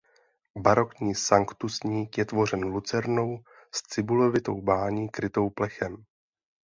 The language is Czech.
Barokní sanktusník je tvořen lucernou s cibulovitou bání krytou plechem.